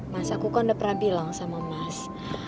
mas aku kan udah pernah bilang sama mas